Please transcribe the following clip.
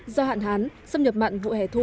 do hạn hán xâm nhập mặn vụ hẻ thu